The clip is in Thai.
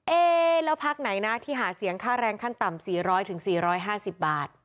เอ๊ะแล้วพักไหนนะที่หาเสียงค่าแรงขั้นต่ำ๔๐๐๔๕๐บาท